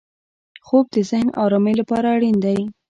خوب د ذهن ارامۍ لپاره اړین دی